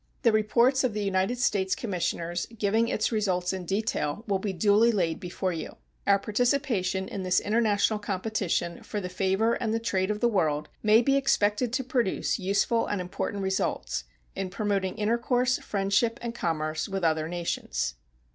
The reports of the United States commissioners, giving its results in detail, will be duly laid before you. Our participation in this international competition for the favor and the trade of the world may be expected to produce useful and important results in promoting intercourse, friendship, and commerce with other nations.